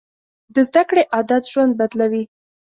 د زده کړې عادت ژوند بدلوي.